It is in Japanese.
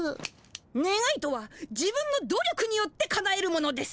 ねがいとは自分の努力によってかなえるものです。